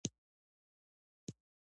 په هڅه او هاند سره هر هدف ترلاسه کېږي.